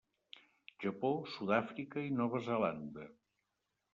Japó, Sud-àfrica i Nova Zelanda.